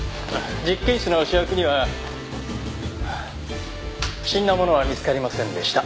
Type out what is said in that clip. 実験室の試薬には不審なものは見つかりませんでした。